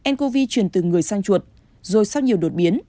ncov chuyển từ người sang chuột rồi sau nhiều đột biến